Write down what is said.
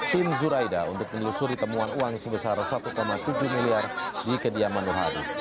tim zuraida untuk menelusuri temuan uang sebesar satu tujuh miliar di kediaman nur hadi